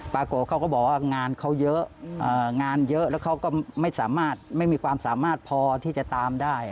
โกะเขาก็บอกว่างานเขาเยอะงานเยอะแล้วเขาก็ไม่สามารถไม่มีความสามารถพอที่จะตามได้